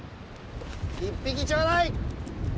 １匹ちょうだい！